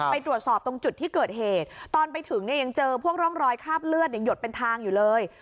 ไปตรวจสอบตรงจุดที่เกิดเหตุตอนไปถึงเนี่ยยังเจอพวกร่องรอยคราบเลือดหยดเป็นทางอยู่เลย